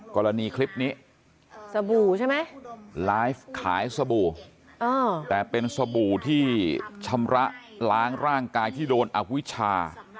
กรณีคลิปนี้สบู่ใช่ไหมไลฟ์ขายสบู่แต่เป็นสบู่ที่ชำระล้างร่างกายที่โดนอวิชา